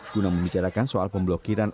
guna membicarakan soal pemblokiran